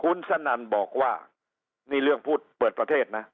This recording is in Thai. คุณสนั่นบอกว่านี่เรื่องพูดเปิดประเทศนะ